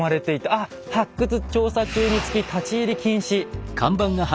あっ「発掘調査中につき立入禁止」。